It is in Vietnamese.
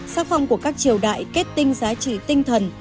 sắc phong của các triều đại kết tinh giá trị tinh thần